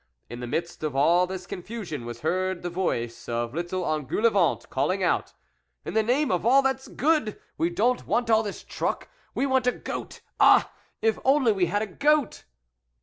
In the the midst of all this confusion was heard the voice of little Engoulevent, calling out :" In the name of all that's good, we don't want all this truck, we want a goat. Ah ! if only we had a goat